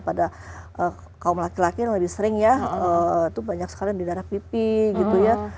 pada kaum laki laki yang lebih sering ya itu banyak sekali di darah pipi gitu ya